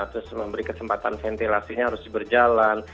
terus memberi kesempatan ventilasinya harus berjalan